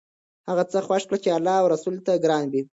هغه څه خوښ کړه چې الله او رسول ته ګران وي.